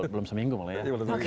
belum seminggu mulai ya